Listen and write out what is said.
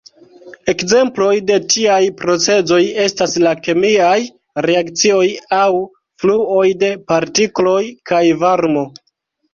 Ekzemploj de tiaj procezoj estas la kemiaj reakcioj aŭ fluoj de partikloj kaj varmo.